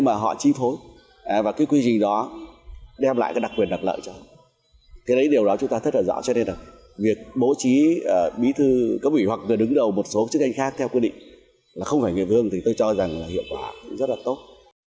là không phải người địa phương thì tôi cho rằng hiệu quả cũng rất là tốt